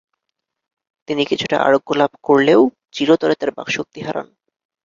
তিনি কিছুটা আরোগ্য লাভ করলেও চীরতরে তার বাকশক্তি হারান।